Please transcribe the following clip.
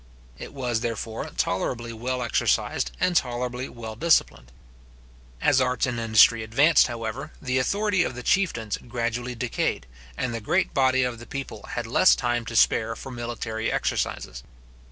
It was, therefore, tolerably well exercised, and tolerably well disciplined. As arts and industry advanced, however, the authority of the chieftains gradually decayed, and the great body of the people had less time to spare for military exercises.